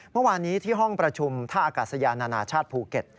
เมื่อวานนี้ที่ห้องประชุมท่าอากาศยานานาชาติภูเก็ต